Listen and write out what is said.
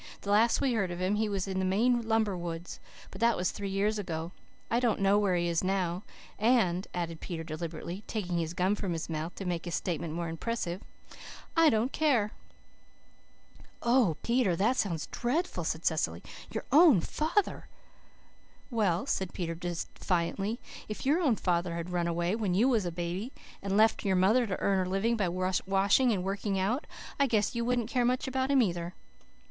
"The last we heard of him he was in the Maine lumber woods. But that was three years ago. I don't know where he is now, and," added Peter deliberately, taking his gum from his mouth to make his statement more impressive, "I don't care." "Oh, Peter, that sounds dreadful," said Cecily. "Your own father!" "Well," said Peter defiantly, "if your own father had run away when you was a baby, and left your mother to earn her living by washing and working out, I guess you wouldn't care much about him either."